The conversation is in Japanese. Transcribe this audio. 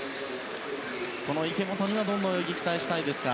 池本にはどんな泳ぎを期待したいですか？